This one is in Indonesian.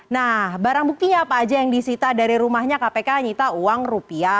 nah barang buktinya apa aja yang disita dari rumahnya kpk nyita uang rupiah